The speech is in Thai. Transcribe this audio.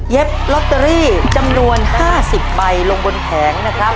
ลอตเตอรี่จำนวน๕๐ใบลงบนแผงนะครับ